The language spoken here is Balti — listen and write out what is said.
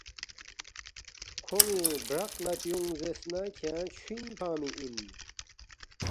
کھون٘ی برق لہ تیونگ زیرس نہ کھیانگ چھُوئِنگ فنگمی اِن